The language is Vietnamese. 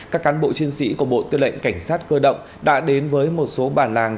các cán bộ chiến sĩ của bộ tư lệnh cảnh sát cơ động đã đến với một số bản làng